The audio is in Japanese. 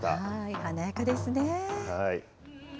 華やかですね。